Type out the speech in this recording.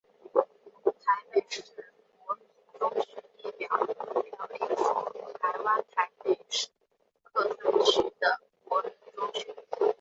台北市国民中学列表表列出台湾台北市各分区的国民中学。